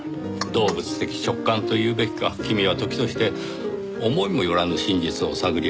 動物的直感と言うべきか君は時として思いも寄らぬ真実を探り当てますねぇ。